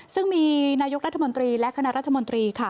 ซึ่งมีนายกรัฐมนตรีและคณะรัฐมนตรีค่ะ